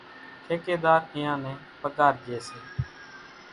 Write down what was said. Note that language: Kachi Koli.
ٺيڪيۮار اينيان نين پڳار ڄيَ سي۔